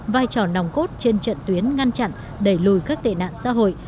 vai trò nòng cốt trên trận tuyến ngăn chặn đẩy lùi các tệ nạn xã hội